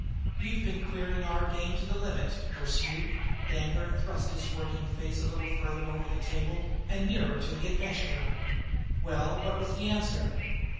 You've been queering our game to the limit, curse you!" Danglar thrust his working face a little farther over the table, and nearer to the Adventurer. "Well, what was the answer?